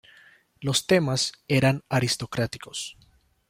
Los temas eran aristocráticos.